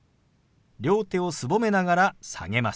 両手をすぼめながら下げます。